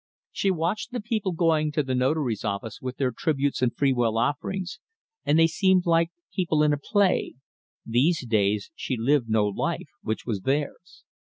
She watched the people going to the Notary's office with their tributes and free will offerings, and they seemed like people in a play these days she lived no life which was theirs.